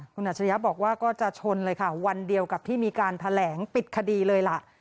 คุณอัจฉริยะบอกว่าก็จะชนเลยค่ะวันเดียวกับที่มีการแถลงปิดคดีเลยล่ะ